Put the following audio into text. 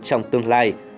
trong tương lai